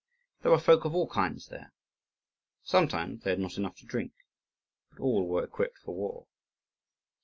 There were folk of all kinds there. Sometimes they had not enough to drink, but all were equipped for war.